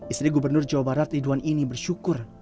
istri gubernur jawa barat ridwan ini bersyukur